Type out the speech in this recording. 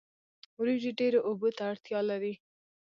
وریجې ډیرو اوبو ته اړتیا لري